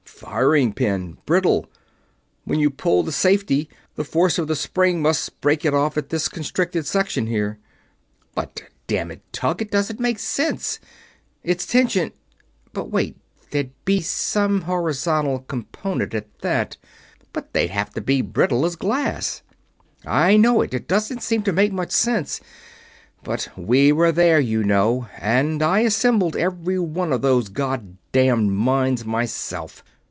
"Firing pin. Brittle. When you pull the safety, the force of the spring must break it off at this constricted section here." "But damn it, Tug, it doesn't make sense. It's tension ... but wait there'd be some horizontal component, at that. But they'd have to be brittle as glass." "I know it. It doesn't seem to make much sense. But we were there, you know and I assembled every one of those God damned mines myself.